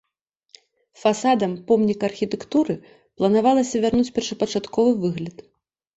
Фасадам помніка архітэктуры планавалася вярнуць першапачатковы выгляд.